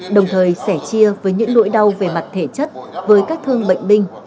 đồng thời sẻ chia với những nỗi đau về mặt thể chất với các thương bệnh binh